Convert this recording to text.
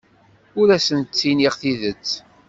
Ur asent-ttiniɣ tidet.